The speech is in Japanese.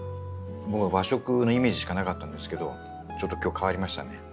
僕は和食のイメージしかなかったんですけどちょっと今日変わりましたね。